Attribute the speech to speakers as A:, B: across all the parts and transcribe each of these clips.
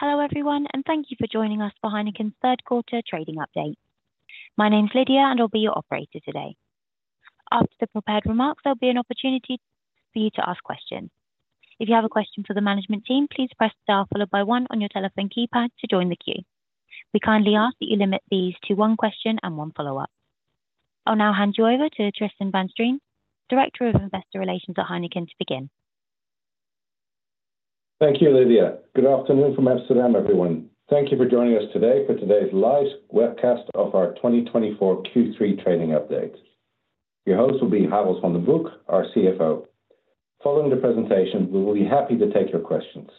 A: Hello, everyone, and thank you for joining us for Heineken's Third Quarter Trading Update. My name is Lydia, and I'll be your operator today. After the prepared remarks, there'll be an opportunity for you to ask questions. If you have a question for the management team, please press star followed by one on your telephone keypad to join the queue. We kindly ask that you limit these to one question and one follow-up. I'll now hand you over to Tristan van Strien, Director of Investor Relations at Heineken, to begin.
B: Thank you, Lydia. Good afternoon from Amsterdam, everyone. Thank you for joining us today for today's live webcast of our 2024 Q3 Trading Update. Your host will be Harold van den Broek, our CFO. Following the presentation, we will be happy to take your questions.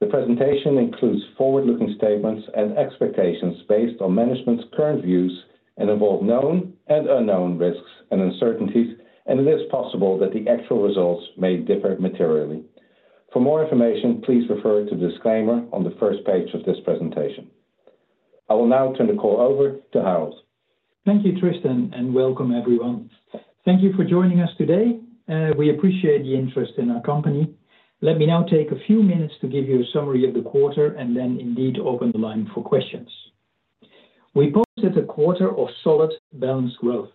B: The presentation includes forward-looking statements and expectations based on management's current views and involve known and unknown risks and uncertainties, and it is possible that the actual results may differ materially. For more information, please refer to the disclaimer on the first page of this presentation. I will now turn the call over to Harold.
C: Thank you, Tristan, and welcome everyone. Thank you for joining us today. We appreciate the interest in our company. Let me now take a few minutes to give you a summary of the quarter and then indeed open the line for questions. We posted a quarter of solid, balanced growth.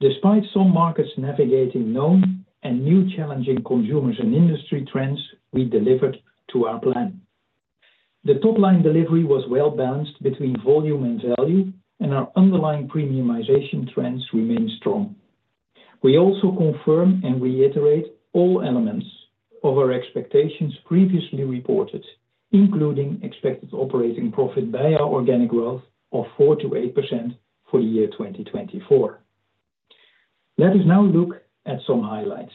C: Despite some markets navigating known and new challenging consumers and industry trends, we delivered to our plan. The top-line delivery was well-balanced between volume and value, and our underlying premiumization trends remain strong. We also confirm and reiterate all elements of our expectations previously reported, including expected operating profit BEIA organic growth of 4%-8% for the year 2024. Let us now look at some highlights.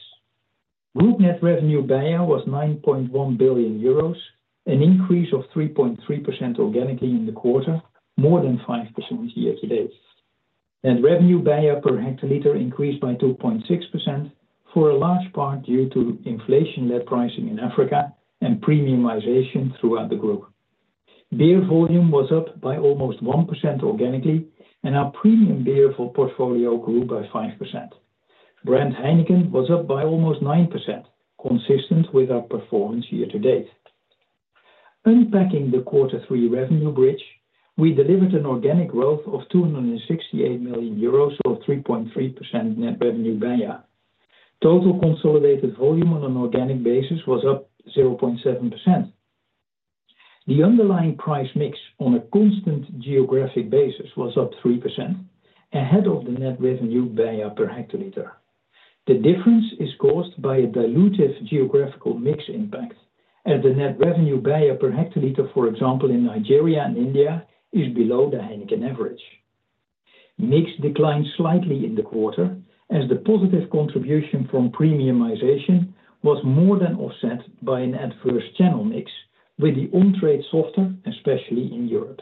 C: Group net revenue BEIA was 9.1 billion euros, an increase of 3.3% organically in the quarter, more than 5% year to date. Revenue per hectoliter increased by 2.6%, for a large part due to inflation-led pricing in Africa and premiumization throughout the group. Beer volume was up by almost 1% organically, and our premium beer portfolio grew by 5%. Brand Heineken was up by almost 9%, consistent with our performance year to date. Unpacking the Quarter Three revenue bridge, we delivered an organic growth of 268 million euros, or 3.3% net revenue per hectoliter. Total consolidated volume on an organic basis was up 0.7%. The underlying price mix on a constant geographic basis was up 3%, ahead of the net revenue per hectoliter. The difference is caused by a dilutive geographical mix impact, as the net revenue per hectoliter, for example, in Nigeria and India, is below the Heineken average. Mix declined slightly in the quarter as the positive contribution from premiumization was more than offset by an adverse channel mix, with the on-trade softer, especially in Europe.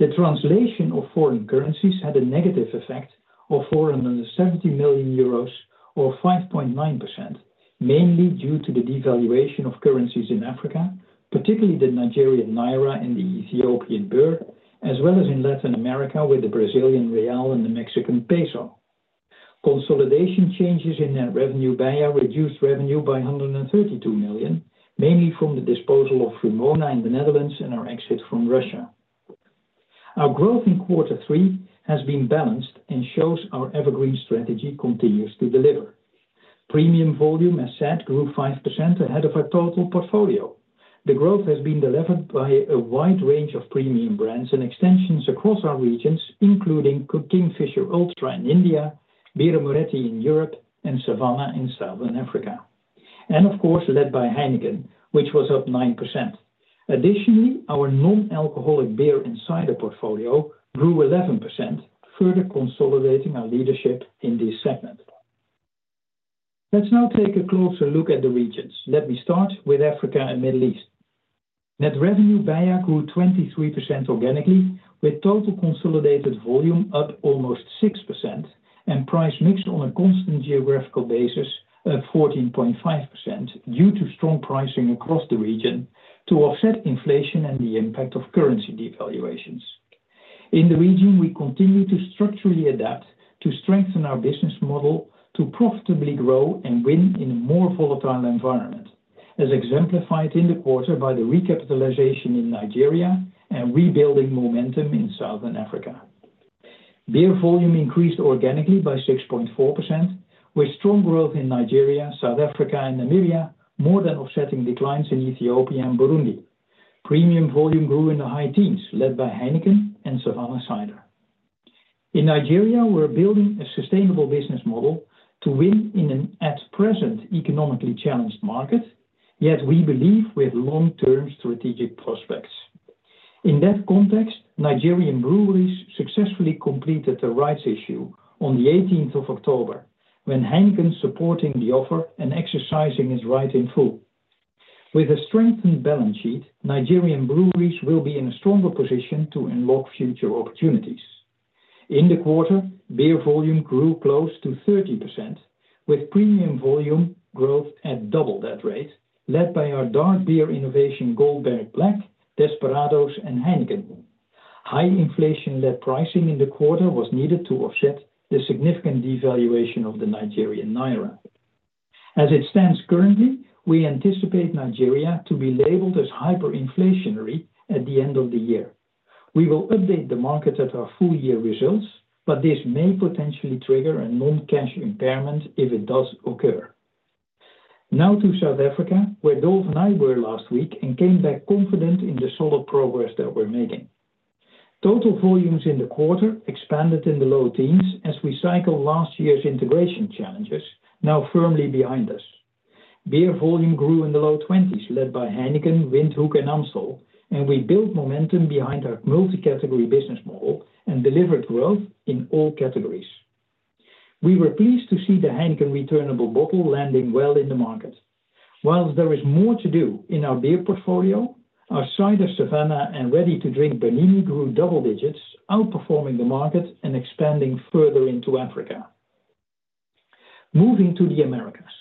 C: The translation of foreign currencies had a negative effect of 470 million euros or 5.9%, mainly due to the devaluation of currencies in Africa, particularly the Nigerian naira and the Ethiopian birr, as well as in Latin America, with the Brazilian real and the Mexican peso. Consolidation changes in net revenue BEIA reduced revenue by 132 million, mainly from the disposal of Vrumona in the Netherlands and our exit from Russia. Our growth in quarter three has been balanced and shows our evergreen strategy continues to deliver. Premium volume, as said, grew 5% ahead of our total portfolio. The growth has been delivered by a wide range of premium brands and extensions across our regions, including Kingfisher Ultra in India, Birra Moretti in Europe, and Savanna in Southern Africa, and of course, led by Heineken, which was up 9%. Additionally, our non-alcoholic beer and cider portfolio grew 11%, further consolidating our leadership in this segment. Let's now take a closer look at the regions. Let me start with Africa and Middle East. Net revenue BEIA grew 23% organically, with total consolidated volume up almost 6% and price mix on a constant geographical basis at 14.5% due to strong pricing across the region to offset inflation and the impact of currency devaluations. In the region, we continue to structurally adapt to strengthen our business model to profitably grow and win in a more volatile environment, as exemplified in the quarter by the recapitalization in Nigeria and rebuilding momentum in Southern Africa. Beer volume increased organically by 6.4%, with strong growth in Nigeria, South Africa and Namibia, more than offsetting declines in Ethiopia and Burundi. Premium volume grew in the high teens, led by Heineken and Savanna Cider. In Nigeria, we're building a sustainable business model to win in an, at present, economically challenged market, yet we believe with long-term strategic prospects. In that context, Nigerian Breweries successfully completed the rights issue on the 18th of October, when Heineken supporting the offer and exercising his right in full. With a strengthened balance sheet, Nigerian Breweries will be in a stronger position to unlock future opportunities. In the quarter, beer volume grew close to 30%, with premium volume growth at double that rate, led by our dark beer innovation, Goldberg Black, Desperados, and Heineken. High inflation-led pricing in the quarter was needed to offset the significant devaluation of the Nigerian naira. As it stands currently, we anticipate Nigeria to be labeled as hyperinflationary at the end of the year. We will update the market at our full year results, but this may potentially trigger a non-cash impairment if it does occur. Now to South Africa, where Dolf and I were last week and came back confident in the solid progress that we're making. Total volumes in the quarter expanded in the low teens as we cycle last year's integration challenges, now firmly behind us. Beer volume grew in the low twenties, led by Heineken, Windhoek, and Amstel, and we built momentum behind our multi-category business model and delivered growth in all categories. We were pleased to see the Heineken returnable bottle landing well in the market. While there is more to do in our beer portfolio, our cider Savanna and ready-to-drink Bernini grew double digits, outperforming the market and expanding further into Africa. Moving to the Americas.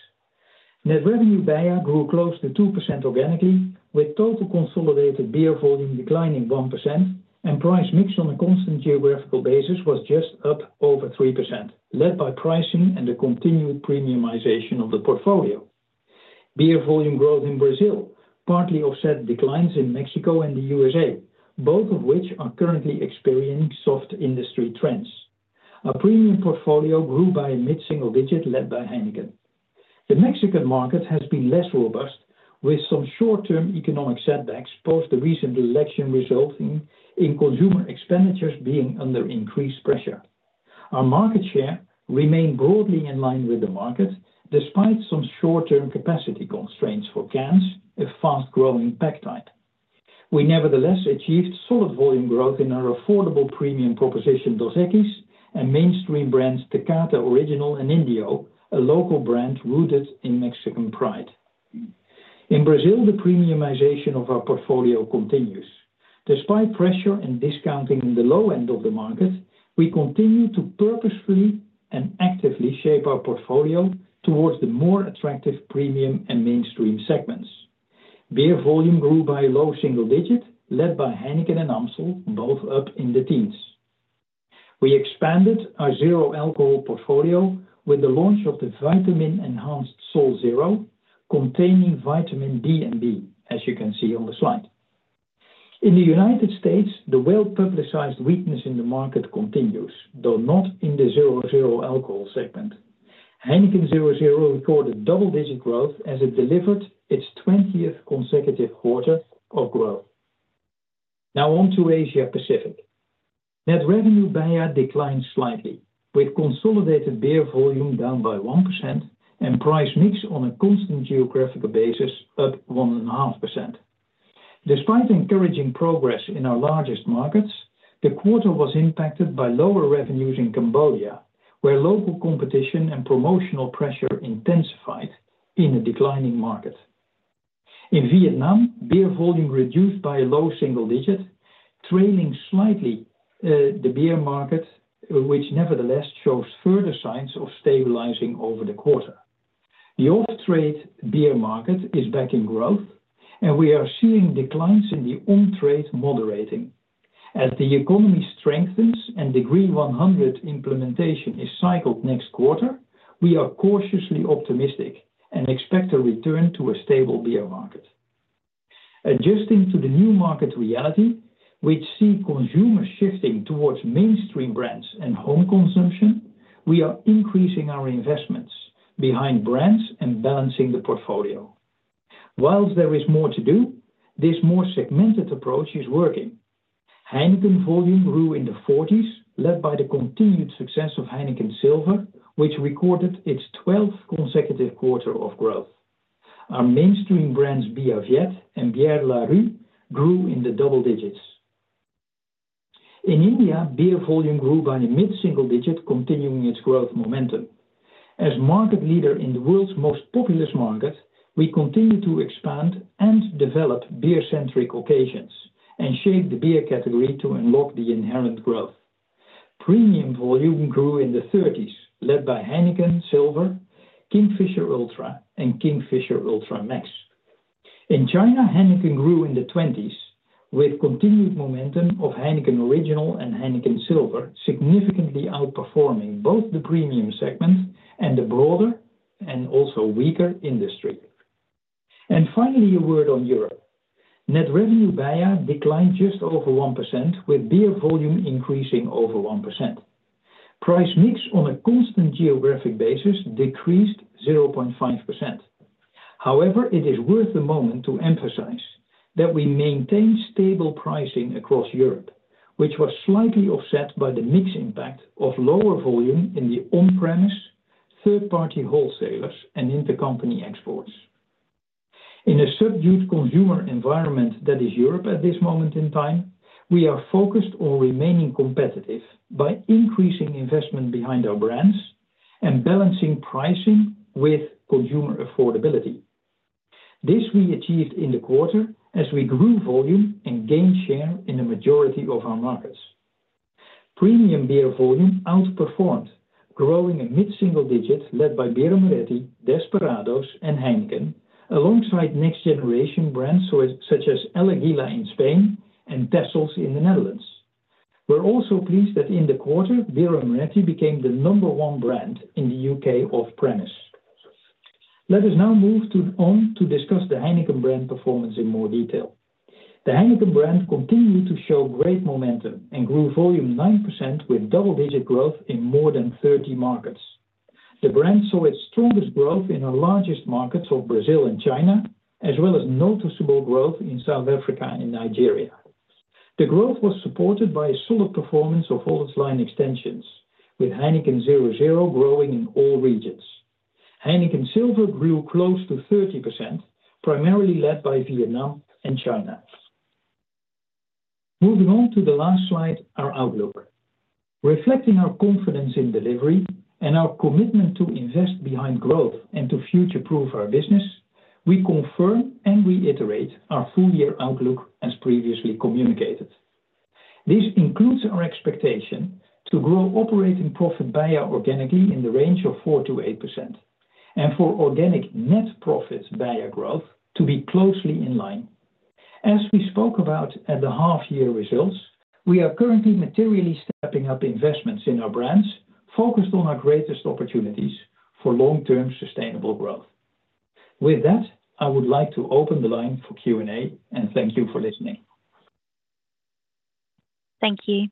C: Net revenue beer grew close to 2% organically, with total consolidated beer volume declining 1% and price mix on a constant geographical basis was just up over 3%, led by pricing and the continued premiumization of the portfolio. Beer volume growth in Brazil partly offset declines in Mexico and the USA, both of which are currently experiencing soft industry trends. Our premium portfolio grew by a mid-single digit, led by Heineken. The Mexican market has been less robust, with some short-term economic setbacks post the recent election, resulting in consumer expenditures being under increased pressure. Our market share remained broadly in line with the market, despite some short-term capacity constraints for cans, a fast-growing pack type. We nevertheless achieved solid volume growth in our affordable premium proposition, Dos Equis, and mainstream brands, Tecate, Original, and Indio, a local brand rooted in Mexican pride. In Brazil, the premiumization of our portfolio continues. Despite pressure and discounting in the low end of the market, we continue to purposefully and actively shape our portfolio towards the more attractive premium and mainstream segments. Beer volume grew by low single digit, led by Heineken and Amstel, both up in the teens. We expanded our Zero-alcohol portfolio with the launch of the vitamin-enhanced Sol Zero, containing vitamin D and B, as you can see on the slide. In the United States, the well-publicized weakness in the market continues, though not in the 0.0 alcohol segment. Heineken 0.0 recorded double-digit growth as it delivered its 20th consecutive quarter of growth. Now on to Asia Pacific. Net revenue beer declined slightly, with consolidated beer volume down by 1% and price mix on a constant geographical basis up 1.5%. Despite encouraging progress in our largest markets, the quarter was impacted by lower revenues in Cambodia, where local competition and promotional pressure intensified in a declining market. In Vietnam, beer volume reduced by a low single digit, trailing slightly, the beer market, which nevertheless shows further signs of stabilizing over the quarter. The off-trade beer market is back in growth, and we are seeing declines in the on-trade moderating. As the economy strengthens and the Decree 100 implementation is cycled next quarter, we are cautiously optimistic and expect a return to a stable beer market. Adjusting to the new market reality, which sees consumers shifting towards mainstream brands and home consumption, we are increasing our investments behind brands and balancing the portfolio. While there is more to do, this more segmented approach is working. Heineken volume grew in the forties, led by the continued success of Heineken Silver, which recorded its 12th consecutive quarter of growth. Our mainstream brands, Bia Việt and Bière Larue, grew in the double digits. In India, beer volume grew by a mid-single digit, continuing its growth momentum. As market leader in the world's most populous market, we continue to expand and develop beer-centric occasions and shape the beer category to unlock the inherent growth. Premium volume grew in the 30s, led by Heineken Silver, Kingfisher Ultra, and Kingfisher Ultra Max. In China, Heineken grew in the 20s, with continued momentum of Heineken Original and Heineken Silver, significantly outperforming both the premium segment and the broader and also weaker industry. Finally, a word on Europe. Net revenue beer declined just over 1%, with beer volume increasing over 1%. Price mix on a constant geographic basis decreased 0.5%. However, it is worth a moment to emphasize that we maintained stable pricing across Europe, which was slightly offset by the mix impact of lower volume in the on-premise, third-party wholesalers, and intercompany exports. In a subdued consumer environment that is Europe at this moment in time, we are focused on remaining competitive by increasing investment behind our brands and balancing pricing with consumer affordability. This we achieved in the quarter as we grew volume and gained share in the majority of our markets. Premium beer volume outperformed, growing in mid-single digits, led by Birra Moretti, Desperados, and Heineken, alongside next generation brands such as El Águila in Spain and Texels in the Netherlands. We're also pleased that in the quarter, Birra Moretti became the number one brand in the UK off-premise. Let us now move on to discuss the Heineken brand performance in more detail. The Heineken brand continued to show great momentum and grew volume 9% with double-digit growth in more than 30 markets. The brand saw its strongest growth in our largest markets of Brazil and China, as well as noticeable growth in South Africa and in Nigeria. The growth was supported by a solid performance of all its line extensions, with Heineken 0.0 growing in all regions. Heineken Silver grew close to 30%, primarily led by Vietnam and China. Moving on to the last slide, our outlook. Reflecting our confidence in delivery and our commitment to invest behind growth and to future-proof our business, we confirm and reiterate our full year outlook as previously communicated. This includes our expectation to grow operating profit BEIA organically in the range of 4%-8%, and for organic net profit BEIA growth to be closely in line. As we spoke about at the half year results, we are currently materially stepping up investments in our brands, focused on our greatest opportunities for long-term sustainable growth. With that, I would like to open the line for Q&A, and thank you for listening.
A: Thank you.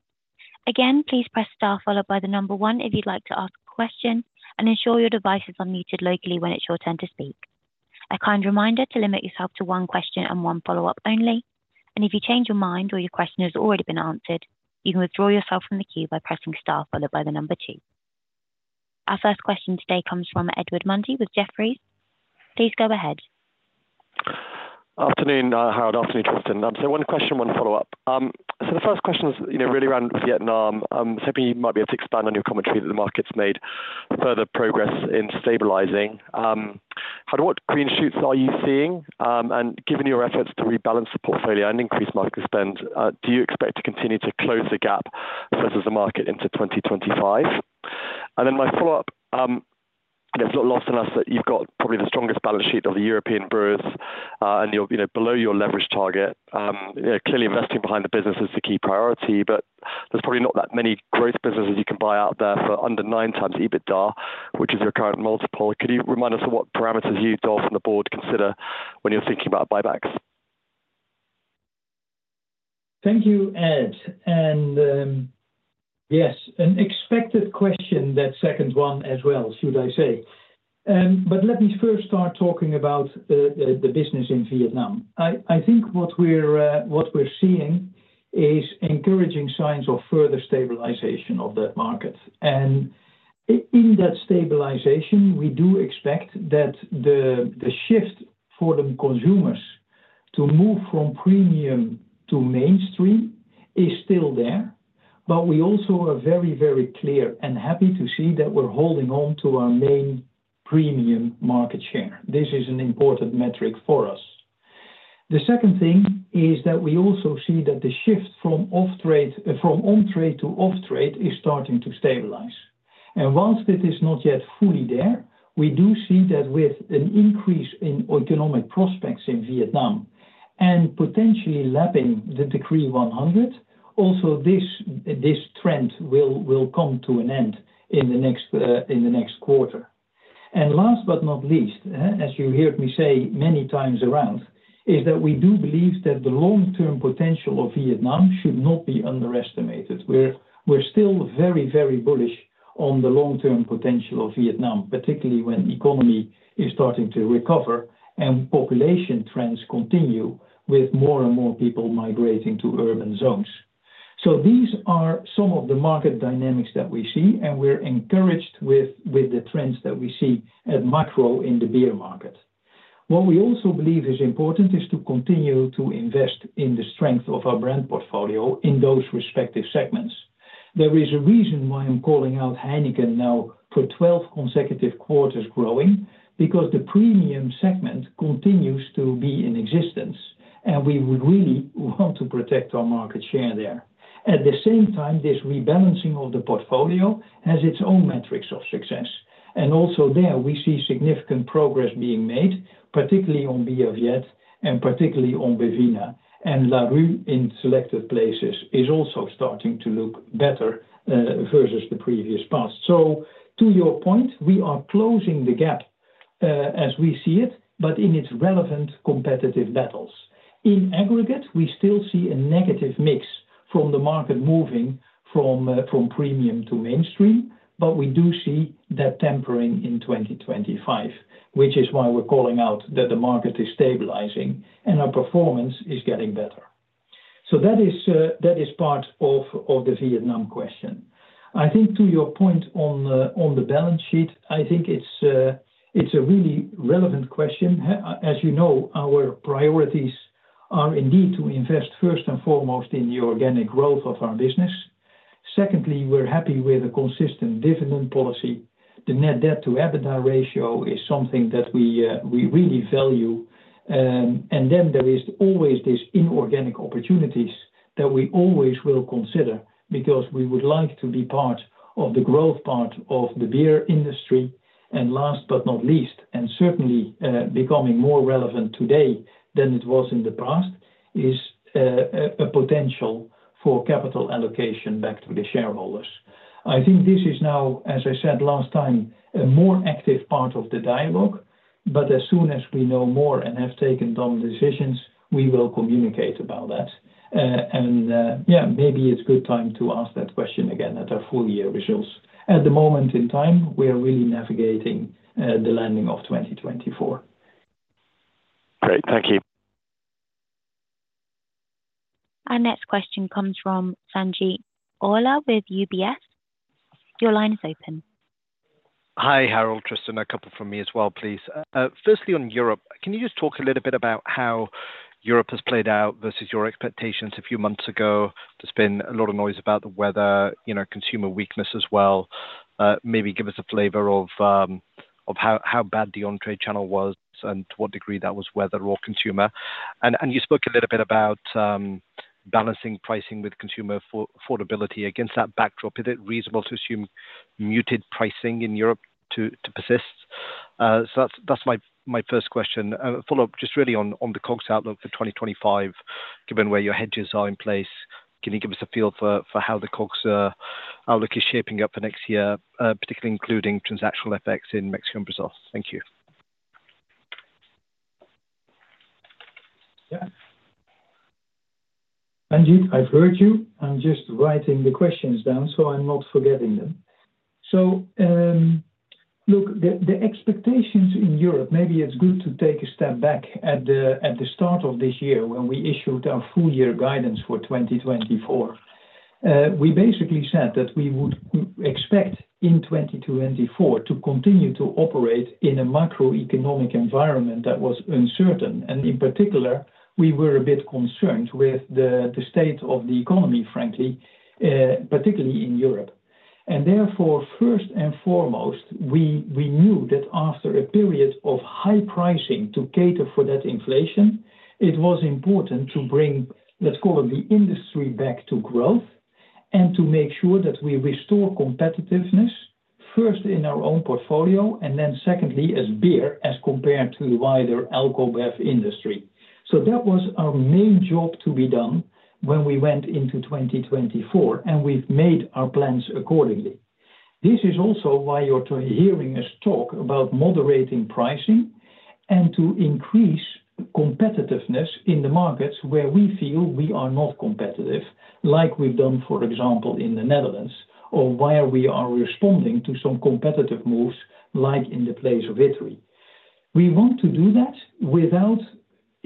A: Again, please press star followed by the number one if you'd like to ask a question, and ensure your device is unmuted locally when it's your turn to speak. A kind reminder to limit yourself to one question and one follow-up only, and if you change your mind or your question has already been answered, you can withdraw yourself from the queue by pressing star followed by the number two. Our first question today comes from Edward Mundy with Jefferies. Please go ahead.
D: Afternoon, Harold. Afternoon, Tristan. So one question, one follow-up. So the first question is, you know, really around Vietnam. Simply, you might be able to expand on your commentary that the market's made further progress in stabilizing. How, what green shoots are you seeing? And given your efforts to rebalance the portfolio and increase market spend, do you expect to continue to close the gap versus the market into 2025? And then my follow-up, it's not lost on us that you've got probably the strongest balance sheet of the European brewers, and you're, you know, below your leverage target. Clearly investing behind the business is the key priority, but there's probably not that many growth businesses you can buy out there for under nine times EBITDA, which is your current multiple. Could you remind us of what parameters you, Dolf, and the board consider when you're thinking about buybacks?
C: Thank you, Ed. And, yes, an expected question, that second one as well, should I say. But let me first start talking about the business in Vietnam. I think what we're seeing is encouraging signs of further stabilization of that market. And in that stabilization, we do expect that the shift for the consumers to move from premium to mainstream is still there, but we also are very, very clear and happy to see that we're holding on to our main premium market share. This is an important metric for us. The second thing is that we also see that the shift from off-trade, from on-trade to off-trade is starting to stabilize. While it is not yet fully there, we do see that with an increase in economic prospects in Vietnam and potentially lapping the Decree 100, also, this trend will come to an end in the next quarter. Last but not least, as you heard me say many times around, is that we do believe that the long-term potential of Vietnam should not be underestimated. We're still very bullish on the long-term potential of Vietnam, particularly when economy is starting to recover and population trends continue with more and more people migrating to urban zones. These are some of the market dynamics that we see, and we're encouraged with the trends that we see at macro in the beer market. What we also believe is important is to continue to invest in the strength of our brand portfolio in those respective segments. There is a reason why I'm calling out Heineken now for 12consecutive quarters growing, because the premium segment continues to be in existence, and we would really want to protect our market share there. At the same time, this rebalancing of the portfolio has its own metrics of success, and also there, we see significant progress being made, particularly on Bia Việt and particularly on Bivina, and Larue in selected places, is also starting to look better versus the previous past. To your point, we are closing the gap as we see it, but in its relevant competitive battles. In aggregate, we still see a negative mix from the market moving from premium to mainstream, but we do see that tempering in 2025, which is why we're calling out that the market is stabilizing, and our performance is getting better, so that is part of the Vietnam question. I think to your point on the balance sheet, I think it's a really relevant question. As you know, our priorities are indeed to invest first and foremost in the organic growth of our business. Secondly, we're happy with a consistent dividend policy. The net debt to EBITDA ratio is something that we really value, and then there is always these inorganic opportunities that we always will consider, because we would like to be part of the growth part of the beer industry. And last but not least, and certainly, becoming more relevant today than it was in the past, is a potential for capital allocation back to the shareholders. I think this is now, as I said last time, a more active part of the dialogue, but as soon as we know more and have taken down decisions, we will communicate about that. Yeah, maybe it's a good time to ask that question again at our full year results. At the moment in time, we are really navigating the landing of 2024.
D: Great. Thank you.
A: Our next question comes from Sanjeet Aujla with UBS. Your line is open.
E: Hi, Harold, Tristan. A couple from me as well, please. Firstly, on Europe, can you just talk a little bit about how Europe has played out versus your expectations a few months ago? There's been a lot of noise about the weather, you know, consumer weakness as well. Maybe give us a flavor of how bad the on-trade channel was and to what degree that was weather or consumer. You spoke a little bit about balancing pricing with consumer affordability. Against that backdrop, is it reasonable to assume muted pricing in Europe to persist? So that's my first question. Follow-up, just really on the COGS outlook for 2025, given where your hedges are in place, can you give us a feel for how the COGS outlook is shaping up for next year, particularly including transactional effects in Mexico and Brazil? Thank you.
C: Yeah. Sanjeet, I've heard you. I'm just writing the questions down, so I'm not forgetting them. So, look, the expectations in Europe, maybe it's good to take a step back. At the start of this year, when we issued our full year guidance for 2024, we basically said that we would expect in 2024 to continue to operate in a macroeconomic environment that was uncertain. And in particular, we were a bit concerned with the state of the economy, frankly, particularly in Europe. And therefore, first and foremost, we knew that after a period of high pricing to cater for that inflation, it was important to bring, let's call it, the industry back to growth, and to make sure that we restore competitiveness, first in our own portfolio, and then secondly, as beer, as compared to the wider alcobev industry. That was our main job to be done when we went into 2024, and we've made our plans accordingly. This is also why you're hearing us talk about moderating pricing and to increase competitiveness in the markets where we feel we are not competitive, like we've done, for example, in the Netherlands, or where we are responding to some competitive moves, like in the case of Italy. We want to do that without,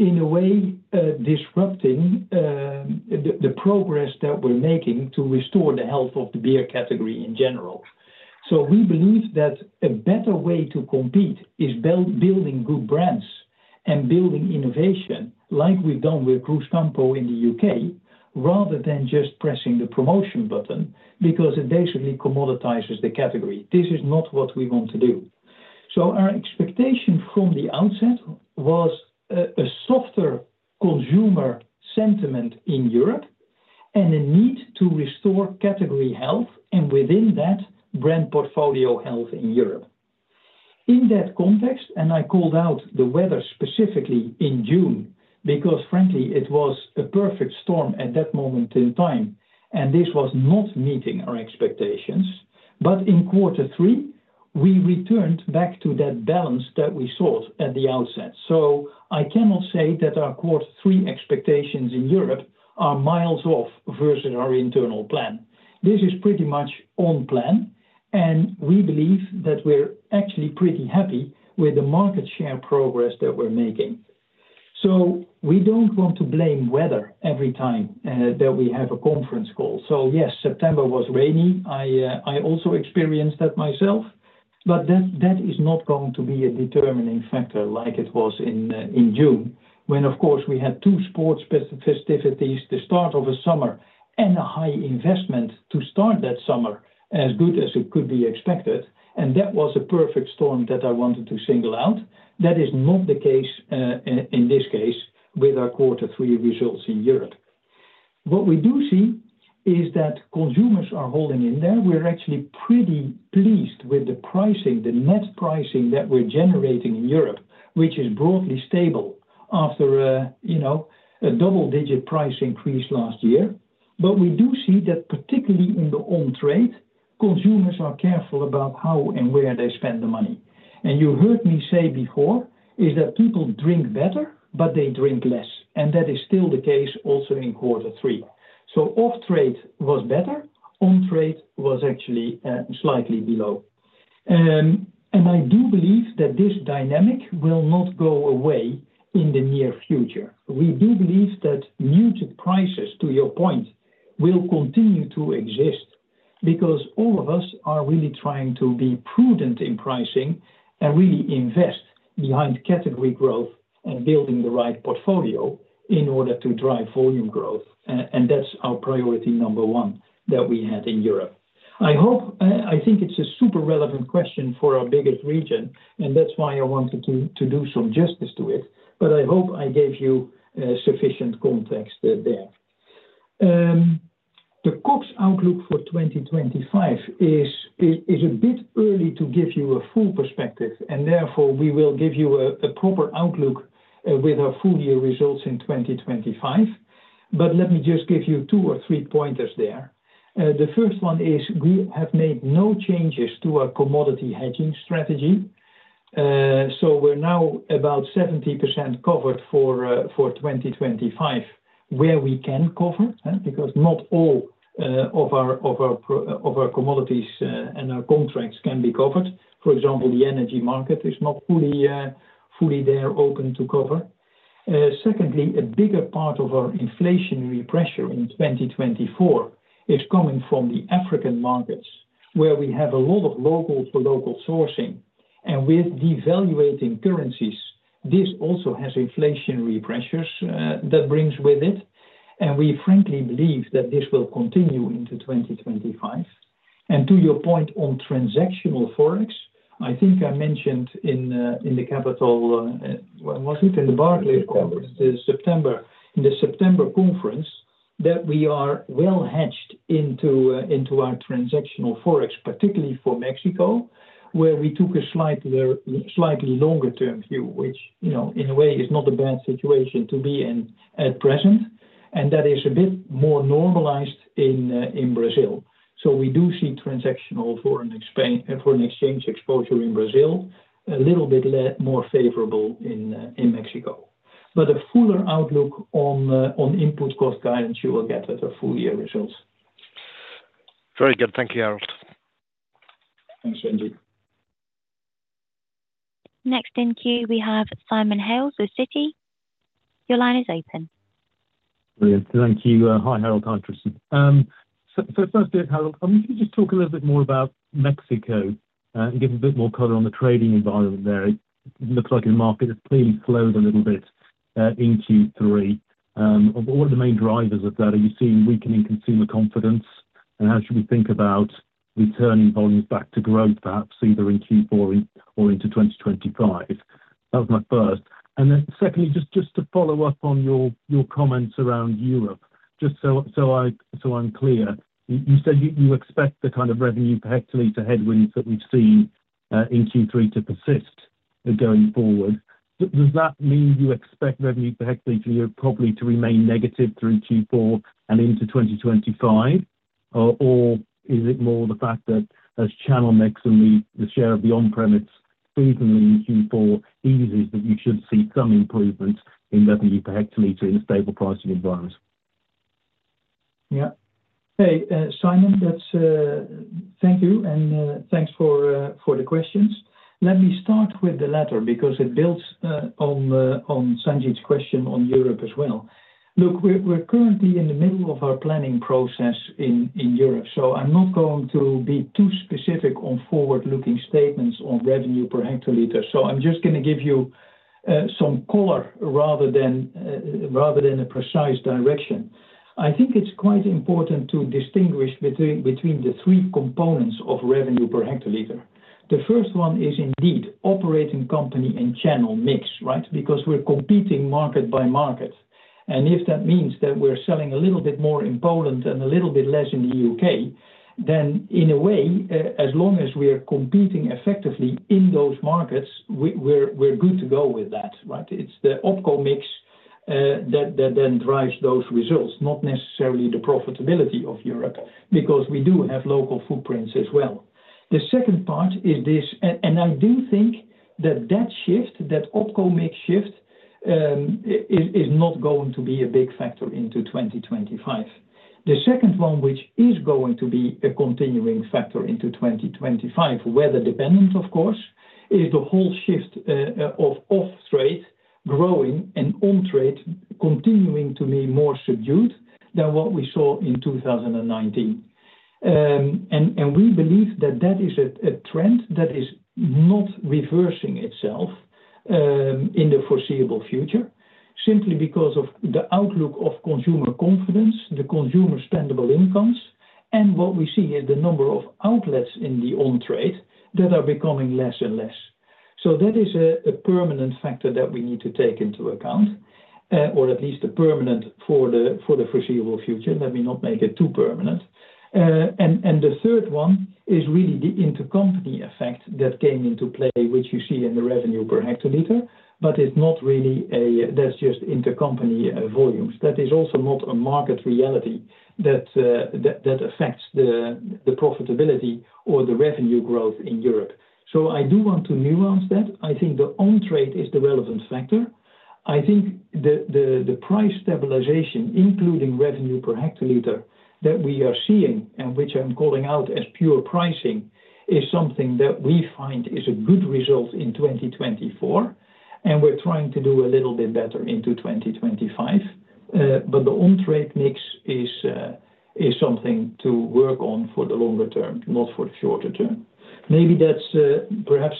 C: in a way, disrupting the progress that we're making to restore the health of the beer category in general. We believe that a better way to compete is building good brands and building innovation, like we've done with Cruzcampo in the UK, rather than just pressing the promotion button, because it basically commoditizes the category. This is not what we want to do. So our expectation from the outset was a softer consumer sentiment in Europe and a need to restore category health, and within that, brand portfolio health in Europe. In that context, and I called out the weather specifically in June, because frankly, it was a perfect storm at that moment in time, and this was not meeting our expectations. But in quarter three, we returned back to that balance that we sought at the outset. So I cannot say that our quarter three expectations in Europe are miles off versus our internal plan. This is pretty much on plan, and we believe that we're actually pretty happy with the market share progress that we're making. So we don't want to blame weather every time that we have a conference call. So yes, September was rainy. I, I also experienced that myself, but that is not going to be a determining factor like it was in, in June, when, of course, we had two sports festivities, the start of the summer, and a high investment to start that summer as good as it could be expected. And that was a perfect storm that I wanted to single out. That is not the case, in this case, with our quarter three results in Europe. What we do see is that consumers are holding in there. We're actually pretty pleased with the pricing, the net pricing that we're generating in Europe, which is broadly stable after, you know, a double-digit price increase last year. But we do see that, particularly in the on-trade, consumers are careful about how and where they spend the money. You heard me say before is that people drink better, but they drink less, and that is still the case also in quarter three. Off-trade was better, on-trade was actually slightly below. I do believe that this dynamic will not go away in the near future. We do believe that muted prices, to your point, will continue to exist, because all of us are really trying to be prudent in pricing and really invest behind category growth and building the right portfolio in order to drive volume growth. That's our priority number one that we had in Europe. I hope I think it's a super relevant question for our biggest region, and that's why I wanted to do some justice to it, but I hope I gave you sufficient context there. The COGS outlook for 2025 is a bit early to give you a full perspective, and therefore, we will give you a proper outlook with our full year results in 2025. But let me just give you two or three pointers there. The first one is we have made no changes to our commodity hedging strategy, so we're now about 70% covered for 2025, where we can cover. Because not all of our commodities and our contracts can be covered. For example, the energy market is not fully open to cover. Secondly, a bigger part of our inflationary pressure in 2024 is coming from the African markets, where we have a lot of local-to-local sourcing. And with devaluing currencies, this also has inflationary pressures that brings with it, and we frankly believe that this will continue into 2025. And to your point on transactional Forex, I think I mentioned in the capital, was it in the Barclays conference? September. In the September conference, that we are well hedged into our transactional Forex, particularly for Mexico, where we took a slightly longer term view, which, you know, in a way is not a bad situation to be in at present, and that is a bit more normalized in Brazil. So we do see transactional foreign exchange exposure in Brazil, a little bit more favorable in Mexico. But a fuller outlook on input cost guidance, you will get at the full year results.
E: Very good. Thank you, Harold.
C: Thanks, Sanjeet.
A: Next in queue, we have Simon Hales with Citi. Your line is open.
F: Thank you. Hi, Harold, you there. So firstly, Harold, can you just talk a little bit more about Mexico, and give us a bit more color on the trading environment there? It looks like the market has clearly slowed a little bit in Q3. What are the main drivers of that? Are you seeing weakening consumer confidence, and how should we think about returning volumes back to growth, perhaps either in Q4 or into 2025? That was my first. And then secondly, just to follow up on your comments around Europe, just so I'm clear, you said you expect the kind of revenue per hectoliter headwinds that we've seen in Q3 to persist going forward. Does that mean you expect revenue per hectoliter probably to remain negative through Q4 and into 2025? Or, is it more the fact that as channel mix and the share of the on-premise season in Q4 eases, that you should see some improvements in revenue per hectoliter in a stable pricing environment?
C: Yeah. Hey, Simon, that's... Thank you, and thanks for the questions. Let me start with the latter, because it builds on Sanjeet's question on Europe as well. Look, we're currently in the middle of our planning process in Europe, so I'm not going to be too specific on forward-looking statements on revenue per hectoliter. So I'm just going to give you some color rather than a precise direction. I think it's quite important to distinguish between the three components of revenue per hectoliter. The first one is indeed operating company and channel mix, right? Because we're competing market by market, and if that means that we're selling a little bit more in Poland and a little bit less in the U.K., then, in a way, as long as we are competing effectively in those markets, we're good to go with that, right? It's the OpCo mix that then drives those results, not necessarily the profitability of Europe, because we do have local footprints as well. The second part is this, and I do think that that shift, that OpCo mix shift, is not going to be a big factor into 2025. The second one, which is going to be a continuing factor into 2025, weather dependent, of course, is the whole shift of off trade growing and on trade continuing to be more subdued than what we saw in 2019. And we believe that is a trend that is not reversing itself in the foreseeable future, simply because of the outlook of consumer confidence, the consumer spendable incomes, and what we see is the number of outlets in the on trade that are becoming less and less. So that is a permanent factor that we need to take into account, or at least a permanent for the foreseeable future. Let me not make it too permanent. And the third one is really the intercompany effect that came into play, which you see in the revenue per hectoliter, but it's not really. That's just intercompany volumes. That is also not a market reality that affects the profitability or the revenue growth in Europe. So I do want to nuance that. I think the on-trade is the relevant factor. I think the price stabilization, including revenue per hectoliter, that we are seeing and which I'm calling out as pure pricing, is something that we find is a good result in 2025 and we're trying to do a little bit better into 2025. But the on-trade mix is something to work on for the longer term, not for the shorter term. Maybe that's perhaps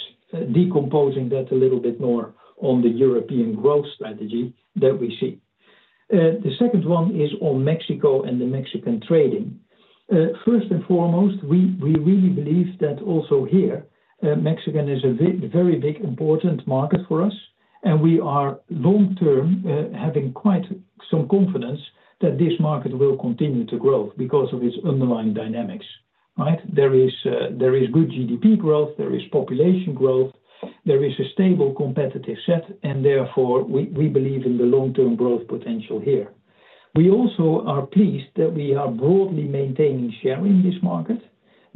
C: decomposing that a little bit more on the European growth strategy that we see. The second one is on Mexico and the Mexican trading. First and foremost, we really believe that also here Mexican is a big, very big important market for us, and we are long-term having quite some confidence that this market will continue to grow because of its underlying dynamics, right? There is good GDP growth, there is population growth, there is a stable, competitive set, and therefore, we believe in the long-term growth potential here. We also are pleased that we are broadly maintaining share in this market,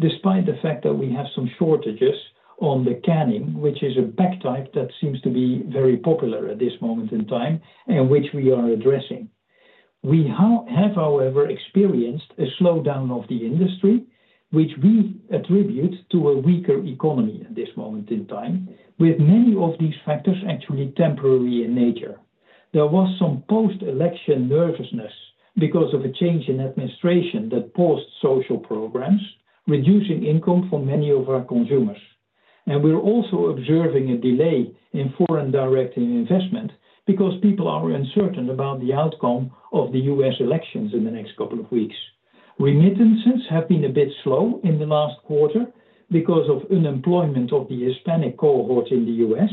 C: despite the fact that we have some shortages on the canning, which is a pack type that seems to be very popular at this moment in time, and which we are addressing. We have, however, experienced a slowdown of the industry, which we attribute to a weaker economy at this moment in time, with many of these factors actually temporary in nature. There was some post-election nervousness because of a change in administration that paused social programs, reducing income for many of our consumers. And we're also observing a delay in foreign direct investment because people are uncertain about the outcome of the U.S. elections in the next couple of weeks. Remittances have been a bit slow in the last quarter because of unemployment of the Hispanic cohort in the U.S.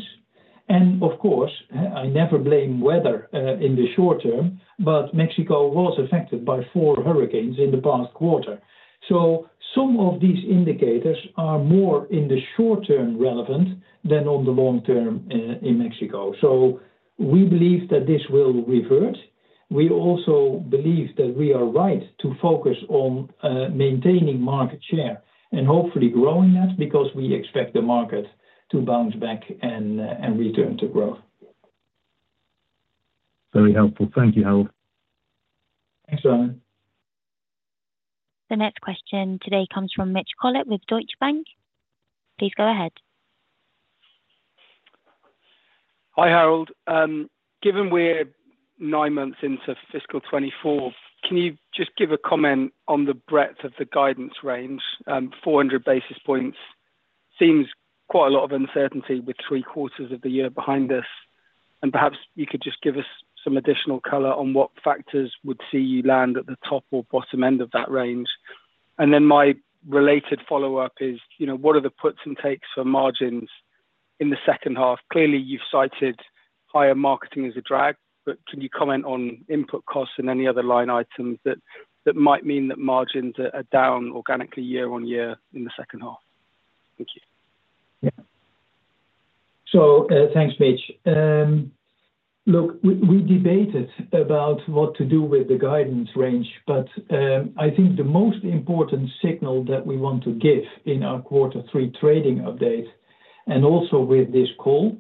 C: And of course, I never blame weather in the short term, but Mexico was affected by four hurricanes in the past quarter. So some of these indicators are more in the short term relevant than on the long term in Mexico. So we believe that this will revert. We also believe that we are right to focus on maintaining market share and hopefully growing that, because we expect the market to bounce back and and return to growth.
F: Very helpful. Thank you, Harold.
C: Thanks, Simon.
A: The next question today comes from Mitch Collett with Deutsche Bank. Please go ahead.
G: Hi, Harold. Given we're nine months into fiscal 2024, can you just give a comment on the breadth of the guidance range? 400 basis points seems quite a lot of uncertainty with three quarters of the year behind us, and perhaps you could just give us some additional color on what factors would see you land at the top or bottom end of that range. And then, my related follow-up is what are the puts and takes for margins in the second half? Clearly, you've cited higher marketing as a drag, but can you comment on input costs and any other line items that might mean that margins are down organically year on year in the second half? Thank you.
C: Yeah. So, thanks, Mitch. Look, we debated about what to do with the guidance range, but I think the most important signal that we want to give in our quarter three trading update, and also with this call,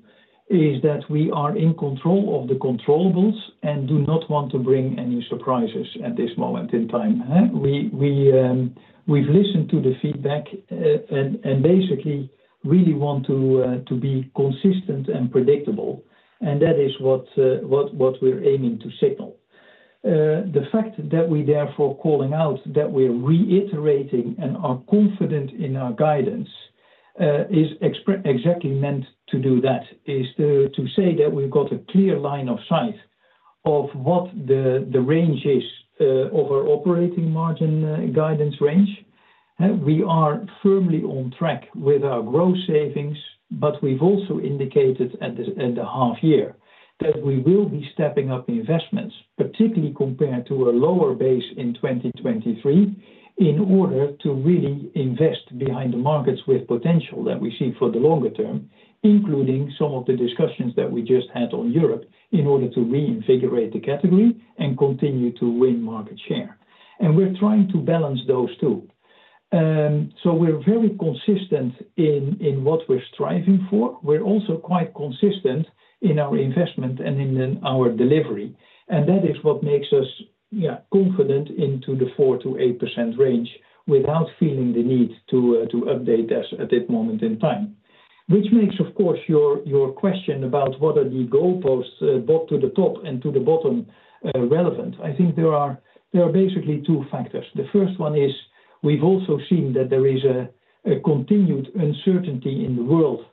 C: is that we are in control of the controllables and do not want to bring any surprises at this moment in time. We’ve listened to the feedback, and basically really want to be consistent and predictable, and that is what we're aiming to signal. The fact that we're therefore calling out that we're reiterating and are confident in our guidance is exactly meant to do that, is to say that we've got a clear line of sight of what the range is of our operating margin guidance range. We are firmly on track with our growth savings, but we've also indicated at the half year that we will be stepping up the investments, particularly compared to a lower base in 2023, in order to really invest behind the markets with potential that we see for the longer term, including some of the discussions that we just had on Europe, in order to reinvigorate the category and continue to win market share. And we're trying to balance those two. So we're very consistent in what we're striving for. We're also quite consistent in our investment and in then our delivery, and that is what makes us, yeah, confident into the 4%-8% range without feeling the need to update as at this moment in time. Which makes, of course, your question about what are the goalposts, both to the top and to the bottom, relevant. I think there are basically two factors. The first one is we've also seen that there is a continued uncertainty in the world,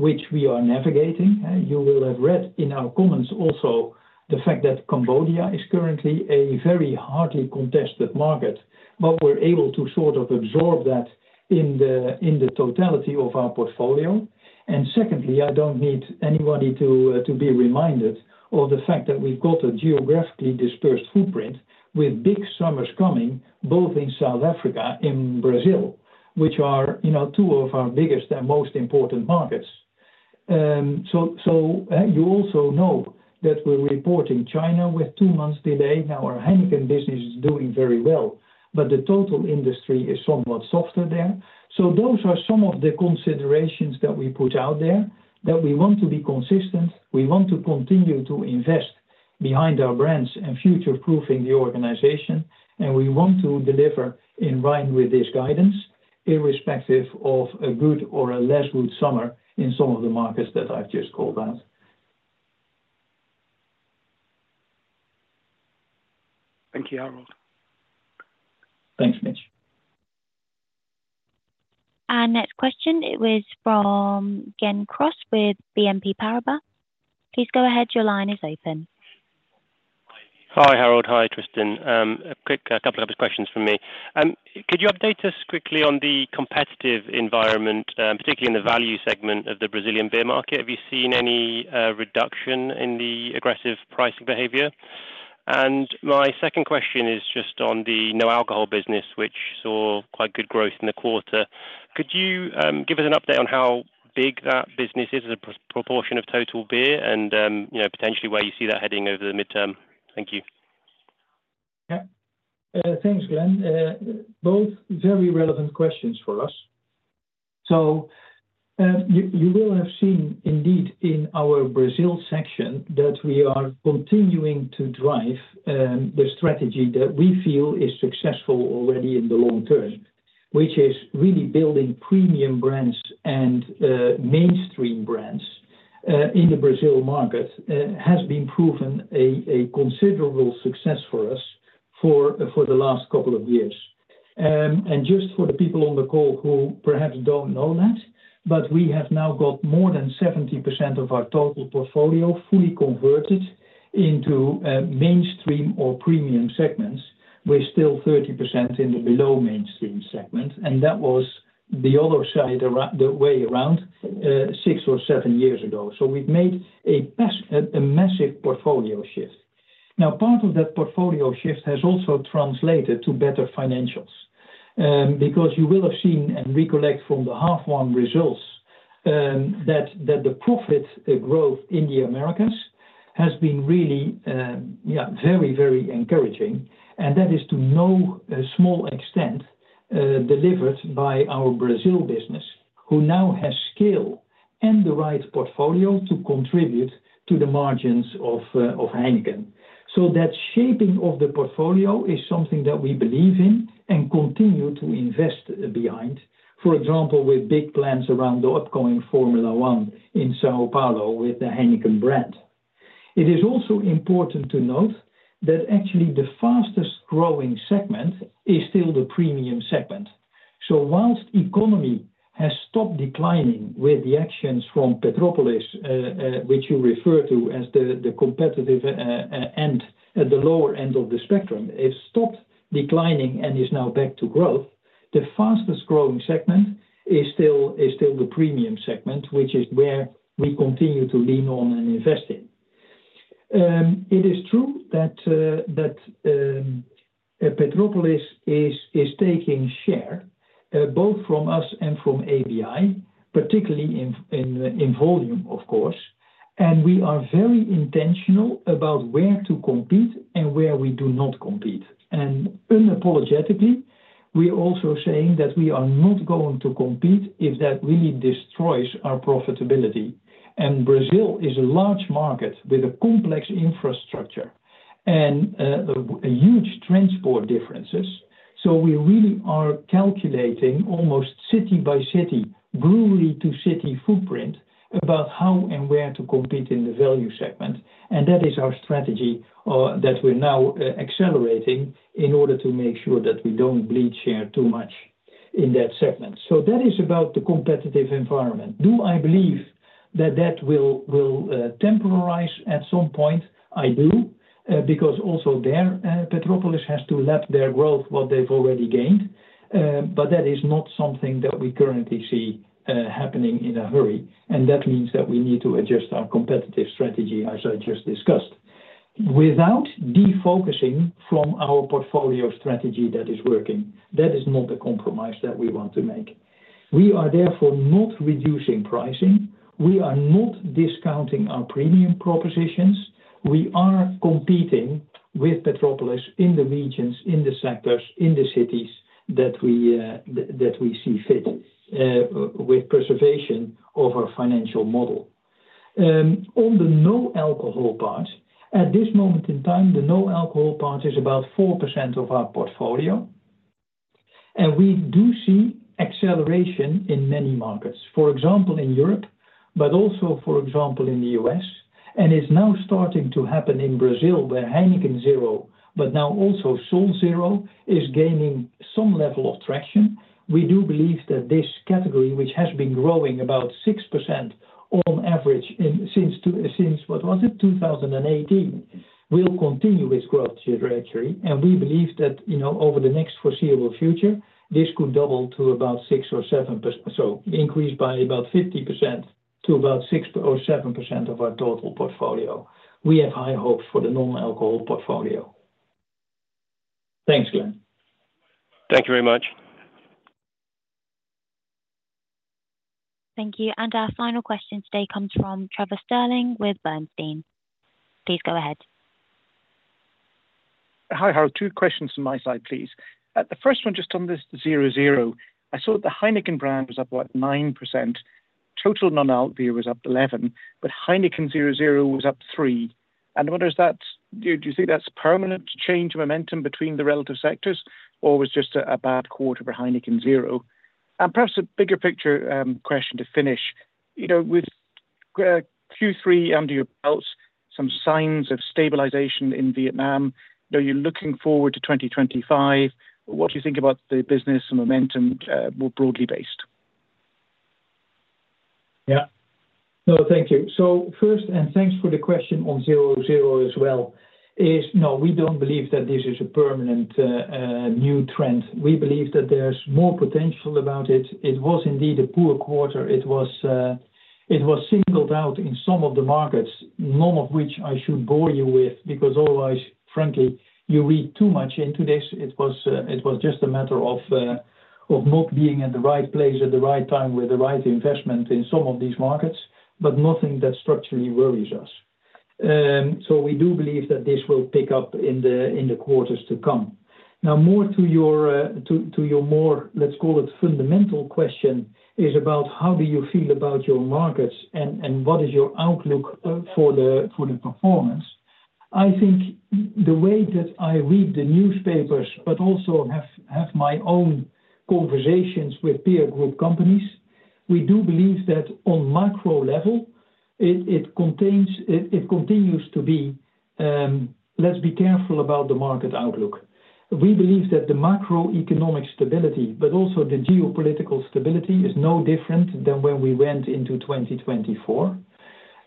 C: which we are navigating. You will have read in our comments also the fact that Cambodia is currently a very hardly contested market, but we're able to sort of absorb that in the totality of our portfolio. And secondly, I don't need anybody to be reminded of the fact that we've got a geographically dispersed footprint, with big summers coming, both in South Africa and Brazil, which are two of our biggest and most important markets. You also know that we're reporting China with two months delay. Now, our Heineken business is doing very well, but the total industry is somewhat softer there, so those are some of the considerations that we put out there, that we want to be consistent, we want to continue to invest behind our brands and future-proofing the organization, and we want to deliver in line with this guidance, irrespective of a good or a less good summer in some of the markets that I've just called out.
G: Thank you, Harold.
C: Thanks, Mitch.
A: Our next question, it was from Glenn Cross with BNP Paribas. Please go ahead. Your line is open.
H: Hi, Harold. Hi, Tristan. A quick, a couple of questions from me. Could you update us quickly on the competitive environment, particularly in the value segment of the Brazilian beer market? Have you seen any reduction in the aggressive pricing behavior? And my second question is just on the no-alcohol business, which saw quite good growth in the quarter. Could you give us an update on how big that business is as a proportion of total beer and, you know, potentially where you see that heading over the midterm? Thank you.
C: Yeah. Thanks, Gen. Both very relevant questions for us. So, you will have seen indeed in our Brazil section, that we are continuing to drive the strategy that we feel is successful already in the long term, which is really building premium brands and mainstream brands in the Brazil market has been proven a considerable success for us for the last couple of years. And just for the people on the call who perhaps don't know that, but we have now got more than 70% of our total portfolio fully converted into mainstream or premium segments. We're still 30% in the below mainstream segment, and that was the other way around six or seven years ago. So we've made a massive portfolio shift. Now, part of that portfolio shift has also translated to better financials. Because you will have seen and recollect from the half one results, that the profit growth in the Americas has been really, very, very encouraging, and that is to no small extent delivered by our Brazil business, who now has scale and the right portfolio to contribute to the margins of Heineken. So that shaping of the portfolio is something that we believe in and continue to invest behind. For example, with big plans around the upcoming Formula One in São Paulo with the Heineken brand. It is also important to note that actually the fastest growing segment is still the premium segment. While the economy has stopped declining with the actions from Petrópolis, which you refer to as the competitive end at the lower end of the spectrum, it stopped declining and is now back to growth. The fastest growing segment is still the premium segment, which is where we continue to lean on and invest in. It is true that Petrópolis is taking share both from us and from ABI, particularly in volume, of course, and we are very intentional about where to compete and where we do not compete. Unapologetically, we are also saying that we are not going to compete if that really destroys our profitability. Brazil is a large market with a complex infrastructure and a huge transport differences. So we really are calculating almost city by city, brewery to city footprint, about how and where to compete in the value segment, and that is our strategy that we're now accelerating in order to make sure that we don't bleed share too much in that segment. So that is about the competitive environment. Do I believe that that will temporize at some point? I do because also there Petrópolis has to lap their growth, what they've already gained but that is not something that we currently see happening in a hurry, and that means that we need to adjust our competitive strategy, as I just discussed, without defocusing from our portfolio strategy that is working. That is not a compromise that we want to make. We are therefore not reducing pricing. We are not discounting our premium propositions. We are competing with Petrópolis in the regions, in the sectors, in the cities that we see fit, with preservation of our financial model. On the no alcohol part, at this moment in time, the no alcohol part is about 4% of our portfolio, and we do see acceleration in many markets, for example, in Europe, but also, for example, in the U.S., and it's now starting to happen in Brazil, where Heineken Zero, but now also Sol Zero, is gaining some level of traction. We do believe that this category, which has been growing about 6% on average since 2018, will continue its growth trajectory, and we believe that, you know, over the next foreseeable future, this could double to about 6% or 7%. So increase by about 50% to about 6% or 7% of our total portfolio. We have high hopes for the non-alcohol portfolio. Thanks, Glenn.
H: Thank you very much.
A: Thank you, and our final question today comes from Trevor Sterling with Bernstein. Please go ahead.
I: Hi, Harold. Two questions from my side, please. The first one, just on this 0.0. I saw that the Heineken brand was up 9%. Total non-alco beer was up 11%, but Heineken 0.0 was up 3%. And I wonder, is that a permanent change of momentum between the relative sectors, or was it just a bad quarter for Heineken Zero? And perhaps a bigger picture question to finish. You know, with Q3 under your belts, some signs of stabilization in Vietnam, now you're looking forward to 2025, what do you think about the business and momentum more broadly based?
C: Yeah. No, thank you. So first, and thanks for the question on 0.0 as well, no, we don't believe that this is a permanent new trend. We believe that there's more potential about it. It was indeed a poor quarter. It was singled out in some of the markets, none of which I should bore you with, because otherwise, frankly, you read too much into this. It was just a matter of not being in the right place at the right time with the right investment in some of these markets, but nothing that structurally worries us. So we do believe that this will pick up in the quarters to come. Now, more to your more, let's call it, fundamental question, is about how do you feel about your markets and what is your outlook for the performance? I think the way that I read the newspapers, but also have my own conversations with peer group companies, we do believe that on macro level, it continues to be, let's be careful about the market outlook. We believe that the macroeconomic stability, but also the geopolitical stability, is no different than when we went into 2024,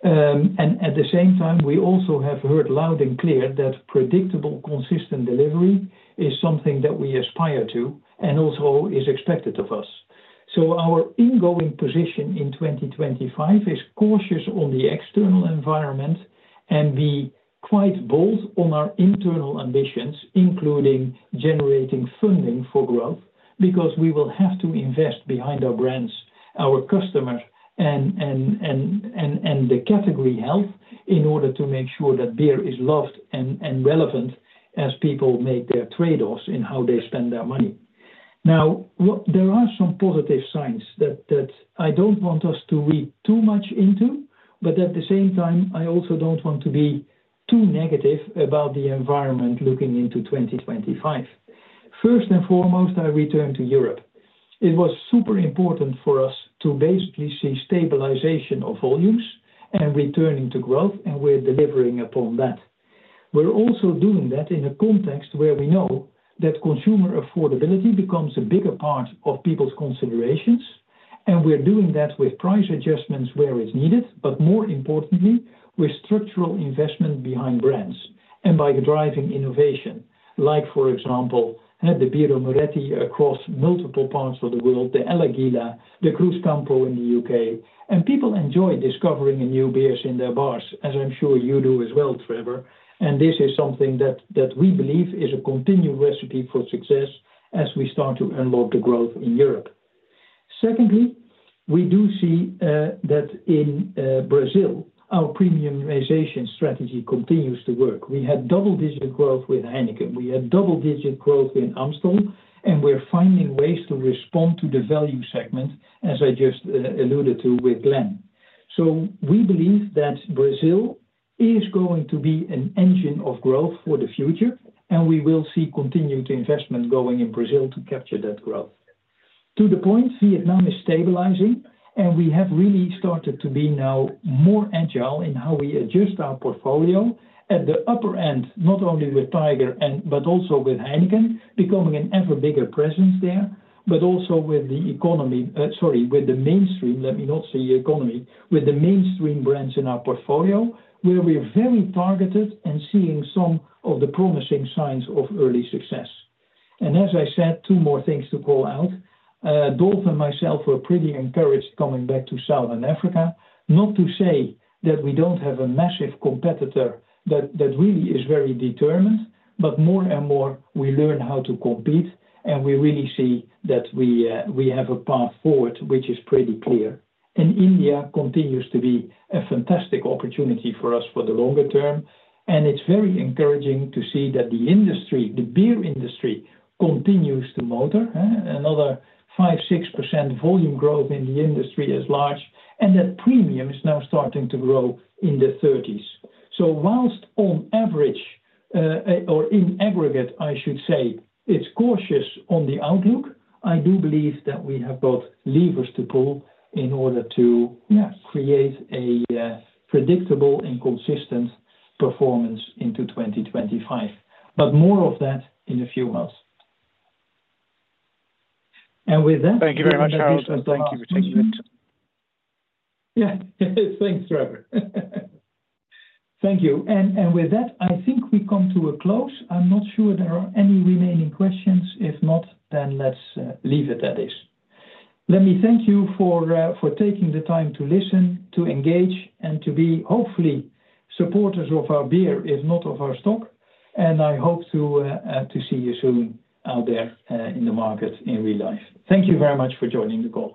C: and at the same time, we also have heard loud and clear that predictable, consistent delivery is something that we aspire to and also is expected of us. So our ingoing position in 2025 is cautious on the external environment and be quite bold on our internal ambitions, including generating funding for growth, because we will have to invest behind our brands, our customers and the category health, in order to make sure that beer is loved and relevant as people make their trade-offs in how they spend their money. Now, there are some positive signs that I don't want us to read too much into, but at the same time, I also don't want to be too negative about the environment looking into 2025. First and foremost, I return to Europe. It was super important for us to basically see stabilization of volumes and returning to growth, and we're delivering upon that. We're also doing that in a context where we know that consumer affordability becomes a bigger part of people's considerations, and we're doing that with price adjustments where it's needed, but more importantly, with structural investment behind brands and by driving innovation. Like, for example, had the Birra Moretti across multiple parts of the world, the El Águila, the Cruzcampo in the U.K.. And people enjoy discovering new beers in their bars, as I'm sure you do as well, Trevor, and this is something that we believe is a continued recipe for success as we start to unlock the growth in Europe. Secondly, we do see that in Brazil, our premiumization strategy continues to work. We had double-digit growth with Heineken. We had double-digit growth in Amstel, and we're finding ways to respond to the value segment, as I just alluded to with Glenn. So we believe that Brazil is going to be an engine of growth for the future, and we will see continued investment going in Brazil to capture that growth. To the point, Vietnam is stabilizing, and we have really started to be now more agile in how we adjust our portfolio. At the upper end, not only with Tiger and, but also with Heineken, becoming an ever bigger presence there, but also with the economy... sorry, with the mainstream, let me not say economy, with the mainstream brands in our portfolio, where we're very targeted and seeing some of the promising signs of early success. And as I said, two more things to call out. Dolf and myself were pretty encouraged coming back to Southern Africa. Not to say that we don't have a massive competitor that, that really is very determined, but more and more we learn how to compete, and we really see that we, we have a path forward, which is pretty clear. And India continues to be a fantastic opportunity for us for the longer term, and it's very encouraging to see that the industry, the beer industry, continues to motor, huh? Another 5%-6% volume growth in the industry is large, and that premium is now starting to grow in the 30s. So whilst on average, or in aggregate, I should say, it's cautious on the outlook, I do believe that we have both levers to pull in order to, yeah, create a, predictable and consistent performance into 2025. But more of that in a few months. And with that-
I: Thank you very much, Harold. Thank you for taking it.
C: Yeah. Thanks, Trevor. Thank you. And with that, I think we come to a close. I'm not sure there are any remaining questions. If not, then let's leave it at this. Let me thank you for taking the time to listen, to engage, and to be, hopefully, supporters of our beer, if not of our stock, and I hope to see you soon out there in the market in real life. Thank you very much for joining the call.